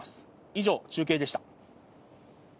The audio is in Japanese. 以上、中継でした。